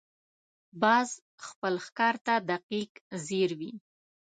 باز خپل ښکار ته دقیق ځیر وي